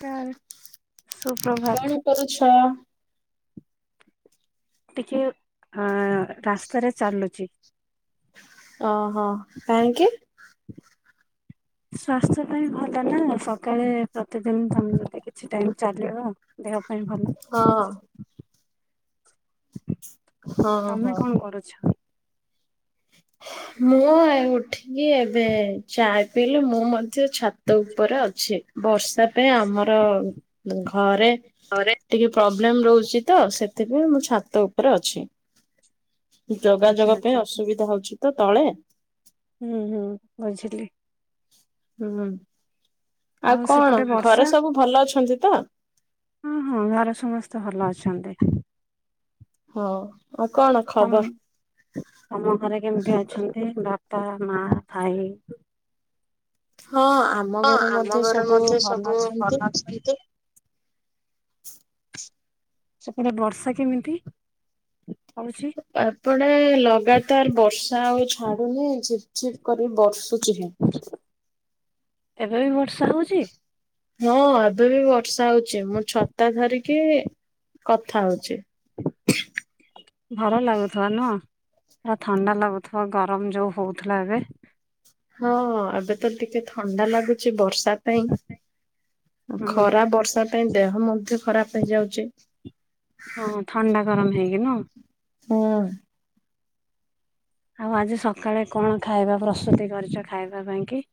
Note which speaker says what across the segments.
Speaker 1: [unintelligible]
Speaker 2: କଣ
Speaker 1: ସୁପ୍ରଭାତ।
Speaker 2: କରୁଛ?
Speaker 1: ଟିକେ ଆ ରାସ୍ତାରେ ଚାଲୁଛି।
Speaker 2: ଅହ କାହିଁକି?
Speaker 1: ସ୍ଵାସ୍ଥ୍ୟ ପାଇଁ ଭଲ ନା ସକାଳେ ପ୍ରତିଦିନ ତମେ ଯଦି କିଛି ଟାଇମ ଚାଲିବ। ଦେହ ପାଇଁ ଭଲ।
Speaker 2: ହଁ ହଁ
Speaker 1: ତମେ
Speaker 2: ହଁ।
Speaker 1: କଣ କରୁଛ?
Speaker 2: ମୁଁ ଉଠିକି ଏବେ ଚାଗା ପିଇଲି ମୁଁ ମଧ୍ୟ ଛାତ ଉପରେ ଅଛି ବର୍ଷା ପାଇଁ ଆମର ଘରେ। ଟିକେ ପ୍ରବ୍ଲେମ ରହୁଛି ତ ସେଥିପାଇଁ ମୁଁ ଛାତ ଉପରେ ଅଛି।
Speaker 1: ଆଚ୍ଛା
Speaker 2: ଯୋଗାଯୋଗ ପାଇଁ
Speaker 1: ଆଚ୍ଛା
Speaker 2: ଅସୁବିଧା ହଉଛି ତ ତଳେ।
Speaker 1: ହୁଁ ହୁଁ ବୁଝିଲି।
Speaker 2: ହୁଁ ଆଉ
Speaker 1: ସେପଟେ
Speaker 2: କଣ
Speaker 1: ବର୍ଷା
Speaker 2: ଘରେ ସବୁ ଭଲ ଅଛନ୍ତି ତ?
Speaker 1: ହୁଁ ହୁଁ ଘରେ ସମସ୍ତେ ଭଲ ଅଛନ୍ତି।
Speaker 2: ହଁ ଆଉ କଣ
Speaker 1: ତମ
Speaker 2: ଖବର?
Speaker 1: ତମ ଘରେ କେମତି ଅଛନ୍ତି ବାପା, ମାଁ, ଭାଇ?
Speaker 2: ହଁ ଆମ
Speaker 1: ହଁ,
Speaker 2: ଘରେ
Speaker 1: ଆମ
Speaker 2: ମଧ୍ୟ
Speaker 1: ଘରେ
Speaker 2: ସବୁ
Speaker 1: ମଧ୍ୟ
Speaker 2: ଭଲ
Speaker 1: ସବୁ
Speaker 2: ଅଛନ୍ତି।
Speaker 1: ଭଲ ଅଛନ୍ତି। ସେପଟେ ବର୍ଷା କେମିତି ହଉଛି?
Speaker 2: ଏପଟେ ଲଗାତାର ବର୍ଷା ଆଉ ଛାଡୁନି ଝିପ୍ ଝିପ୍ କରି ବର୍ଷୁଚି ହିଁ।
Speaker 1: ଏବେ ବି ବର୍ଷା ହଉଛି?
Speaker 2: ହଁ ଏବେ ବି ବର୍ଷା ହଉଛି, ମୁଁ ଛତା ଧରିକି କଥା ହଉଛି।
Speaker 1: ଭଲ ଲାଗୁଥିବ ନୁହଁ? ପୁରା ଥଣ୍ଡା ଲାଗୁଥିବ ଗରମ ଯୋଉ ହୋଉଥିଲା ଏବେ।
Speaker 2: ହଁ ଏବେ ତ ଟିକେ ଥଣ୍ଡା ଲାଗୁଛି ବର୍ଷା ପାଇଁ
Speaker 1: ହୁଁ।
Speaker 2: ଖରା ବର୍ଷା ପାଇଁ ଦେହ ମଧ୍ୟ ଖରାପ ହେଇଯାଉଛି।
Speaker 1: ହଁ ଥଣ୍ଡା ଗରମ ହେଇକି ନୁହଁ?
Speaker 2: ହଁ।
Speaker 1: ଆଉ ଆଜି ସକାଳେ କଣ ଖାଇବା ପ୍ରସ୍ତୁତି କରିଛ ଖାଇବା ପାଇଁ କି?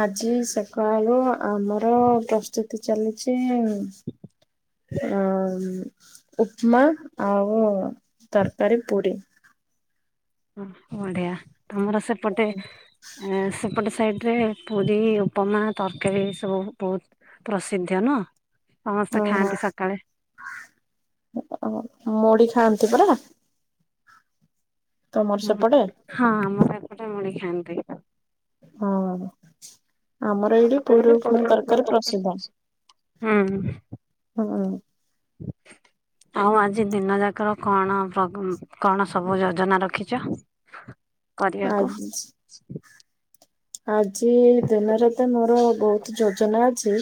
Speaker 2: ଆଜି ସକାଳୁ ଆମର ପ୍ରସ୍ତୁତି ଚାଲିଛି ହଁ, ଉପମା ଆଉ ତରକାରୀ ପୁରି।
Speaker 1: ବଢିଆ ତମର ସେପଟେ ଏଁ ସେ ଏପଟେ ସାଇଟରେ ପୁରୀ ଉପମା ତରକାରୀ ସବୁ ବହୁତ ପ୍ରସିଧ୍ୟ ନୁହଁ?
Speaker 2: ଅହ, ମୋଡି ଖାଆନ୍ତି ପରା? ତମର ସେପଟେ?
Speaker 1: ହଁ ଆମର ଏପଟେ ମୁଡି ଖାଆନ୍ତି।
Speaker 2: ହଁ ଆମର ଏଇଠି ପୁରୀ ଉପମା ତରକାରୀ ପ୍ରସିଦ୍ଧ।
Speaker 1: ହୁଁ
Speaker 2: ହଁ
Speaker 1: ଆଉ ଆଜି ଦିନ ଯାକର କଣ କଣ ସବୁ ଯୋଜନା ରଖିଛ? କରିବାକୁ?
Speaker 2: ଆଜି ଆଜି ଦିନରେ ତ ମୋର ବହୁତ ଯୋଜନା ଅଛି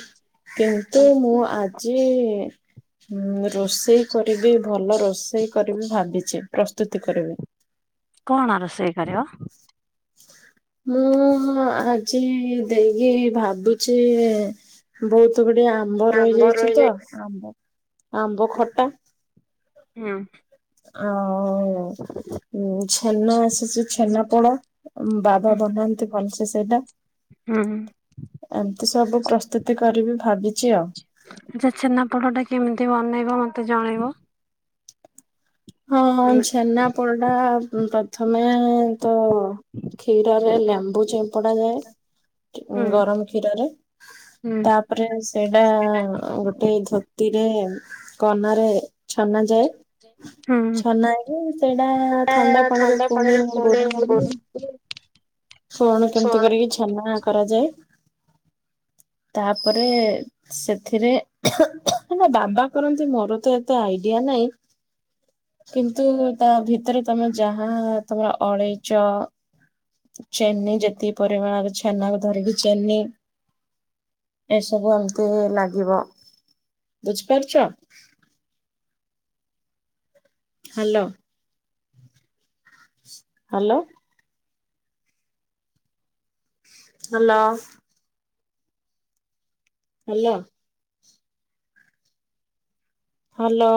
Speaker 2: କିନ୍ତୁ ମୁଁ ଆଜି ରୋଷେଇ କରିବି, ଭଲ ରୋଷେଇ କରିବି ଭାବିଛି ପ୍ରସ୍ତୁତି କରିବି।
Speaker 1: କଣ ରୋଷେଇ କରିବ?
Speaker 2: [inaudible] ମୁଁ ଆଜି ଦେଇକି ଭାବୁଚି ବୋହୁତ ଗୁଡ଼ିଏ ଆମ୍ବ ରହିଯାଇଚି ତ ଆମ୍ବ ଆମ୍ବ ଖଟା
Speaker 1: ହୁଁ।
Speaker 2: ଆଉ ଉଁ ଛେନା ଆସିଚି ସେ ଛେନାପୋଡ଼ ଅଁ ବାବା ବନାନ୍ତି। ଭଲସେ ସେଇଟା
Speaker 1: ହୁଁ ହୁଁ।
Speaker 2: ଏମତି ସବୁ ପ୍ରସ୍ତୁତି କରିବି ଭାବିଚି ଆଉ
Speaker 1: ଆଚ୍ଛା ଛେନାପୋଡ଼ଟା କେମିତି ବନେଇବ ମତେ ଜଣେଇବ।
Speaker 2: ହଁ ହଁ
Speaker 1: ଆମେ
Speaker 2: ଛେନାପୋଡ଼ଟା ପ୍ରଥମେ ତ କ୍ଷୀରରେ ଲେମ୍ବୁ ଚିମ୍ପୁଡା ଯାଏ
Speaker 1: ହୁଁ
Speaker 2: ଉଁ ଗରମ କ୍ଷୀରରେ।
Speaker 1: ହୁଁ
Speaker 2: ତାପରେ ସେଇଟା ଗୋଟେ ଧୋ ତିରେ କନାରେ ଛନା ଯାଏ।
Speaker 1: ଦେ ହଁ
Speaker 2: ଛନା ହେଇକି ସେଇଟା
Speaker 1: ଟା ଥଣ୍ଡା
Speaker 2: ପୁଣି
Speaker 1: ପାଣିରେ ପଡ଼େ [inaudible]
Speaker 2: କଣ କେମତି କରିକି ଛେନା କରାଯାଏ ତାପରେ ସେଥିରେ ହେ ମୋ ବାବା କରନ୍ତି ମୋର ତ ଏତେ ଆଇଡିଆ ନାଇଁ। କିନ୍ତୁ ତା ଭିତରେ ତମେ ଯାହା ତମେ ଅଳେଇଚ ଚେନି ଯେତିକି ପରିମାଣରେ ଛେନାକୁ ଧରିକି ଚେନି ଏସବୁ ଏମତି ଲାଗିବ, ବୁଝିପାରୁଚ? Hello. Hello. Hello. Hello. Hello.